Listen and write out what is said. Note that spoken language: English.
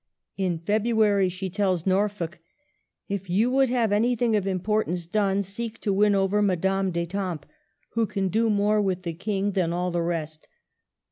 Li February she tells Norfolk, '' If you would have anything of importance done, seek to win over Madame d'Etampes, who can do more with the King than all the rest.